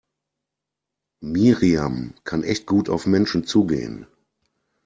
Miriam kann echt gut auf Menschen zugehen.